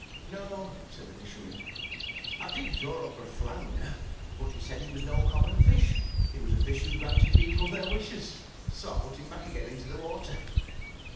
*' '*No," said the fisherman, *'I did draw up a flounder, but he said he was no common fish — he was a fish who granted people their wishes, so I put him back again into the water.